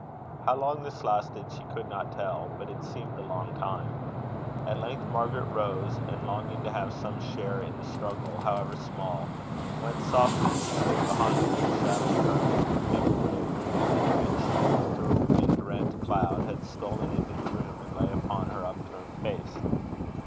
How long this lasted she could not tell, but it seemed a long time. At length Margaret rose, and longing to have some share in the struggle, however small, went softly, and stood behind her, shadowing her from a feeble ray of moonlight which, through a wind rent cloud, had stolen into the room, and lay upon her upturned face.